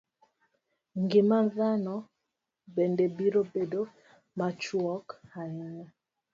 Ngima dhano bende biro bedo machuok ahinya.